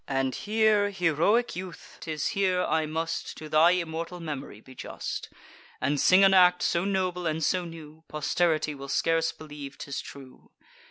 And here, heroic youth, 'tis here I must To thy immortal memory be just, And sing an act so noble and so new, Posterity will scarce believe 'tis true.